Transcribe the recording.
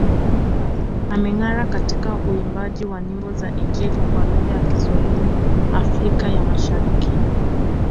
Amengara katika uimbaji wa nyimbo za Injili kwa lugha ya Kiswahili Afrika ya Mashariki